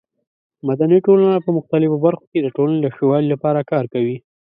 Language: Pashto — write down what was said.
مدني ټولنه په مختلفو برخو کې د ټولنې د ښه والي لپاره کار کوي.